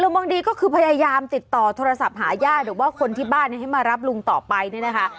หลวงบ้างดีก็คือพยายามติดต่อโทรศัพท์หาย่าก่อบว่าคนที่บ้านให้มารับลุงต่อไปนี่นะคะ